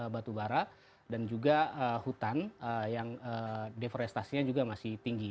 batu bara dan juga hutan yang deforestasinya juga masih tinggi